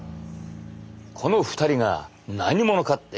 この２人が何者かって？